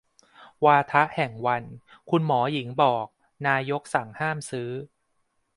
วาทะแห่งวัน คุณหมอหญิงบอก นายกสั่งห้ามซื้อ